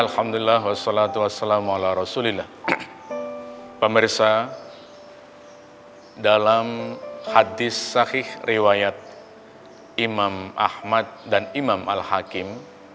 hadis sahih riwayat imam ahmad dan imam al hakim